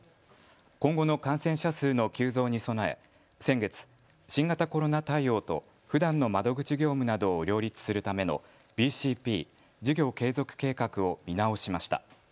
今後の感染者数の急増に備え先月、新型コロナ対応とふだんの窓口業務などを両立するためのＢＣＰ・事業継続計画を見直しました。